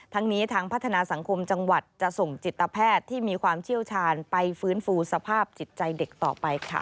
ทั้งนี้ทางพัฒนาสังคมจังหวัดจะส่งจิตแพทย์ที่มีความเชี่ยวชาญไปฟื้นฟูสภาพจิตใจเด็กต่อไปค่ะ